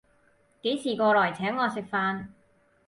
幾時過來請我食飯